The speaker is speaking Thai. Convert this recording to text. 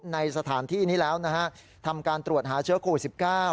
ในสถานที่นี้แล้วนะฮะทำการตรวจหาเชื้อโควิด๑๙